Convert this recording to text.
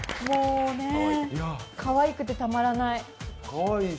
もうね、かわいくてたまらない。